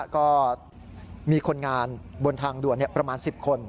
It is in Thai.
ก็มีคนงานบนทางด่วนประมาณ๑๐คน